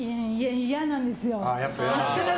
嫌なんですよ。